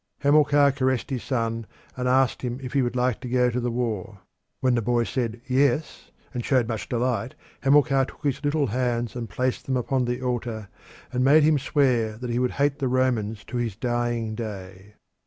Hamilcar caressed his son and asked him if he would like to go to the war; when the boy said yes, and showed much delight, Hamilcar took his little hands and placed them upon the altar, and made him swear that he would hate the Romans to his dying day.